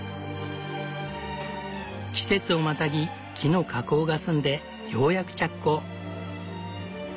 季節をまたぎ木の加工が済んでようやく着工。